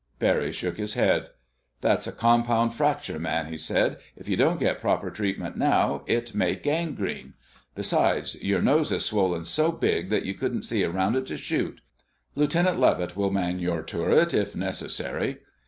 Barry shook his head. "That's a compound fracture, man!" he replied. "If you don't get proper treatment now, it may gangrene. Besides, your nose is swollen so big that you couldn't see around it to shoot. Lieutenant Levitt will man your turret if necessary."